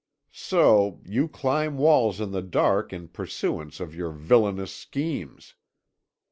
So you climb walls in the dark in pursuance of your villainous schemes!